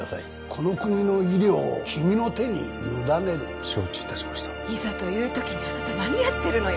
この国の医療を君の手に委ねる承知いたしましたいざという時にあなた何やってるのよ？